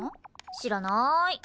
知らなーい。